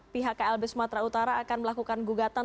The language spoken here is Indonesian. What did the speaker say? pihak klb sumatera utara akan melakukan gugatan